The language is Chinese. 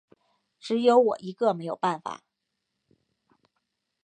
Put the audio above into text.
只有我一个没有办法